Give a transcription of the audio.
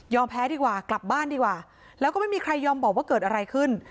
แพ้ดีกว่ากลับบ้านดีกว่าแล้วก็ไม่มีใครยอมบอกว่าเกิดอะไรขึ้น